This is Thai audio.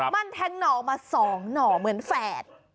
มันแทงหน่อมา๒หน่อเหมือนแฝด